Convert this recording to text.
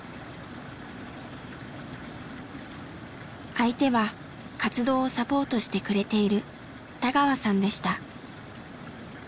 相手は活動をサポートしてくれている田川さんでした。